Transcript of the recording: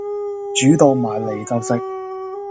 煮到埋嚟就食